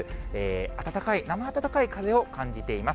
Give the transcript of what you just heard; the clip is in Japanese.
暖かい、生暖かい風を感じています。